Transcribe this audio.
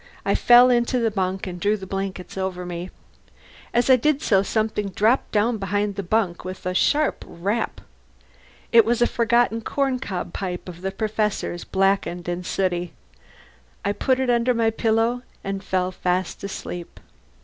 I fell into the bunk and drew the blankets over me. As I did so, something dropped down behind the bunk with a sharp rap. It was a forgotten corncob pipe of the Professor's, blackened and sooty. I put it under my pillow, and fell asleep.